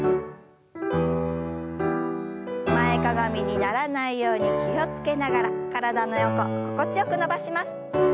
前かがみにならないように気を付けながら体の横心地よく伸ばします。